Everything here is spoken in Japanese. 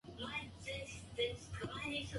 教室の窓から見える空がやけに広い。